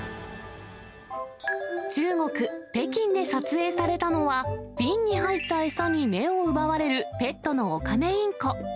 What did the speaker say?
中国・北京で撮影されたのは、瓶に入った餌に目を奪われるペットのオカメインコ。